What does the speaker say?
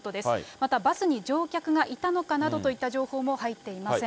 また、バスに乗客がいたのかなどといった情報も入っていません。